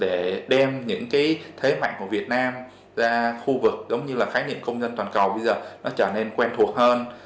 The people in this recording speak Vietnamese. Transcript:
để đem những cái thế mạnh của việt nam ra khu vực giống như là khái niệm công dân toàn cầu bây giờ nó trở nên quen thuộc hơn